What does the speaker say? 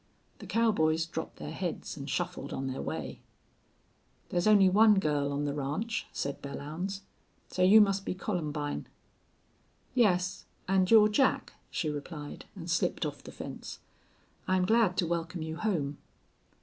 The cowboys dropped their heads and shuffled on their way. "There's only one girl on the ranch," said Belllounds, "so you must be Columbine." "Yes. And you're Jack," she replied, and slipped off the fence. "I'm glad to welcome you home."